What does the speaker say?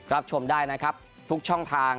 รับชมได้นะครับทุกช่องทาง